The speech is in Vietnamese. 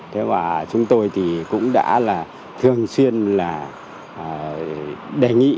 thế và chúng tôi thì cũng đã là thường xuyên là đề nghị